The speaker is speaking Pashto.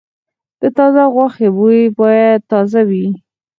د تازه غوښې بوی باید تازه وي.